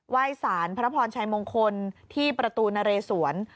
ยสารพระพรชัยมงคลที่ประตูนเรสวน